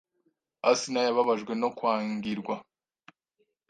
Asinah yababajwe no kwangirwa